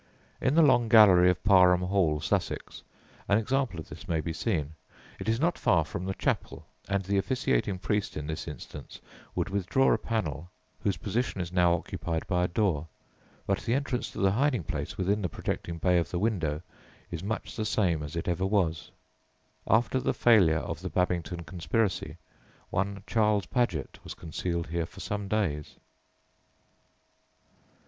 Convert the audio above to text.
In the long gallery of Parham Hall, Sussex, an example of this may be seen. It is not far from "the chapel," and the officiating priest in this instance would withdraw a panel whose position is now occupied by a door; but the entrance to the hiding place within the projecting bay of the window is much the same as it ever was. After the failure of the Babington conspiracy one Charles Paget was concealed here for some days.